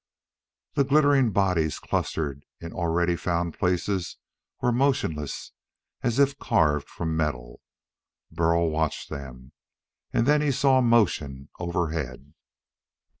The glittering bodies clustered in already found places were motionless as if carved from metal. Burl watched them. And then he saw motion overhead.